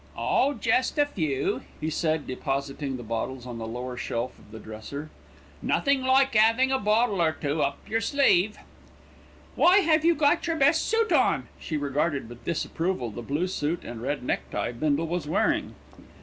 "Oh, jest a few," he said, depositing the bottles on the lower shelf of the dresser. "Nothink like 'avin' a bottle or two up yer sleeve." "Why have you got your best suit on?" She regarded with disapproval the blue suit and red necktie Bindle was wearing.